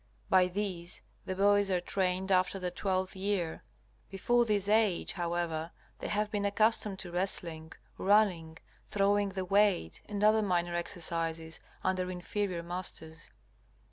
By these the boys are trained after their twelfth year. Before this age, however, they have been accustomed to wrestling, running, throwing the weight, and other minor exercises, under inferior masters.